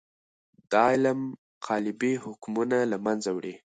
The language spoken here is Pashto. دا علم قالبي حکمونه له منځه وړي.